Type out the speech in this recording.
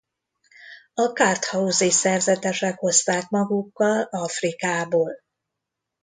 A karthauzi szerzetesek hozták magukkal Afrikából.